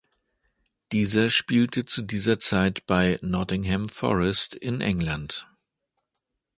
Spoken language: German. Dieser spielte zu dieser Zeit bei Nottingham Forest in England.